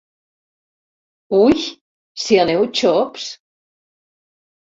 Ui, si aneu xops!